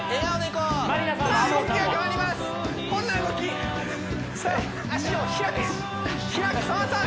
こんな動きさあ